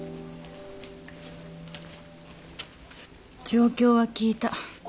状況は聞いた。